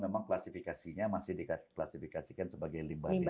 tapi memang klasifikasinya masih diklasifikasikan sebagai limba b tiga